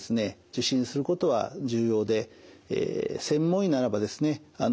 受診することは重要で専門医ならばですね